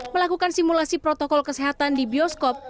melakukan simulasi protokol kesehatan di bioskop